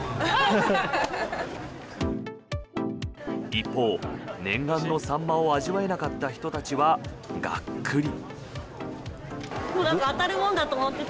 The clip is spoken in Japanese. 一方、念願のサンマを味わえなかった人たちはガックリ。